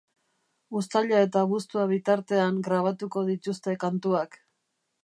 Uztaila eta abuztua bitartean grabatuko dituzte kantuak.